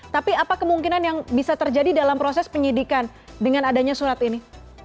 tapi apa kemungkinan yang bisa terjadi dalam proses penyidikan dengan adanya surat ini